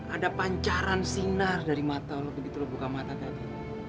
ada pancaran sinar dari mata lo begitu lo buka mata tadi